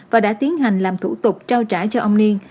và đã tiến hành làm thủ tục trao trả cho ông niên